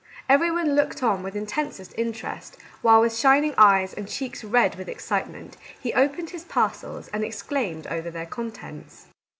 Every one looked on with intensest interest while, with shining eyes, and cheeks red with excitement, he opened his parcels, and ex claimed over their contents.